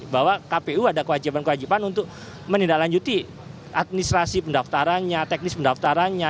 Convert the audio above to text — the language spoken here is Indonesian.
bahwa kpu ada kewajiban kewajiban untuk menindaklanjuti administrasi pendaftarannya teknis pendaftarannya